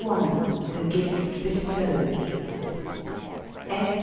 THE GIFT BESTOWED.